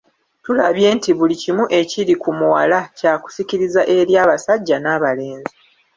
Tulabye nti buli kimu ekiri ku muwala kya kusikiriza eri abasajja n'abalenzi.